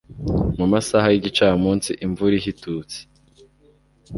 Mu masaha y'igicamunsi imvura ihitutse